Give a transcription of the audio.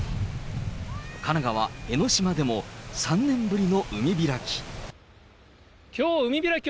神奈川・江の島でも、３年ぶりの海開き。